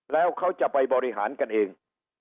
แล้วเขาจะไปบริหารกันเอง